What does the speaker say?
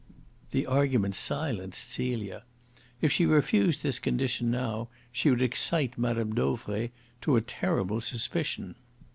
The argument silenced Celia. If she refused this condition now she would excite Mme. Dauvray to a terrible suspicion.